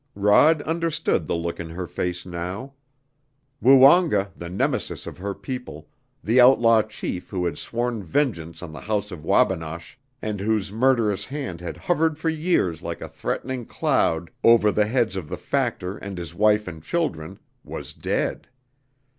Rod understood the look in her face now. Woonga, the Nemesis of her people, the outlaw chief who had sworn vengeance on the house of Wabinosh, and whose murderous hand had hovered for years like a threatening cloud over the heads of the factor and his wife and children, was dead!